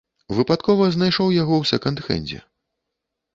Выпадкова знайшоў яго ў сэканд-хэндзе.